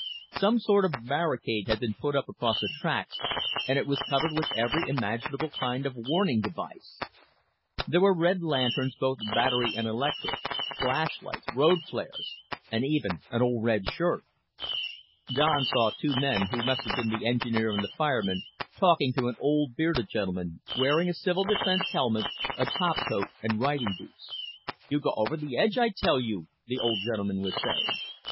Some sort of barricade had been put up across the tracks and it was covered with every imaginable kind of warning device. There were red lanterns, both battery and electric; flashlights; road flares; and even an old red shirt. Don saw two men who must have been the engineer and the fireman talking to an old bearded gentleman wearing a civil defense helmet, a topcoat and riding boots. "You'd go over the edge, I tell you," the old gentleman was saying.